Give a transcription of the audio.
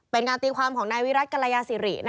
เป็นการตีความของนายวิรัติกรยาศิริ